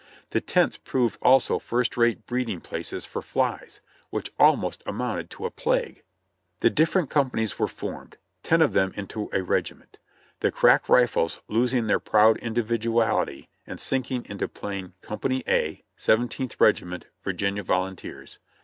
The tents proved also first rate breeding places for flies, which almost amounted to a plague. The different companies were formed, ten of them into a reg iment; the crack Rifles losing their proud individuality and sinking into plain "Company A, Seventeenth Regiment, Vir ginia Volunteers."